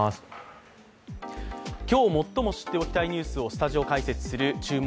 今日、最も知っておきたいニュースをスタジオ解説する「注目！